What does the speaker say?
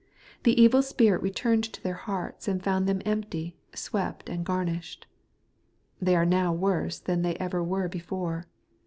The evil spirit returned to their hearts, and found them empty, swept, and garnished. They are now worse than they ever were before.